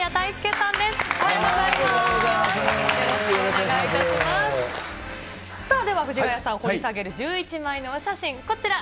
さあ、では藤ヶ谷さんを掘り下げる１１枚のお写真、こちら。